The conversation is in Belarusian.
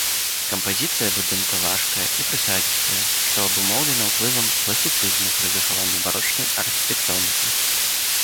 Кампазіцыя будынка важкая і прысадзістая, што абумоўлена ўплывам класіцызму пры захаванні барочнай архітэктонікі.